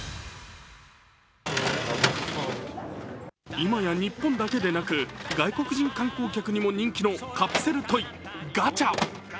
今や日本だけでなく外国人観光客にも人気のカプセルトイ・ガチャ。